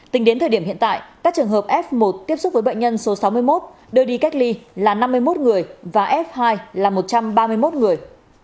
tính đến thời điểm hiện tại các trường hợp f một tiếp xúc với bệnh nhân số sáu mươi một đưa đi cách ly là năm mươi một người và f hai là một trăm ba mươi một người